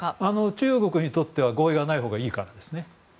中国にとっては合意がないほうがいいからです。